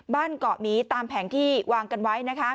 เกาะหมีตามแผงที่วางกันไว้